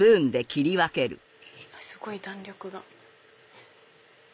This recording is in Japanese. すごい弾力が。